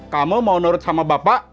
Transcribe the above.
kamu mau nurut sama bapak